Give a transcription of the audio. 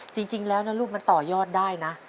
จริงแล้วนะลูกมันต่อยอดได้นะ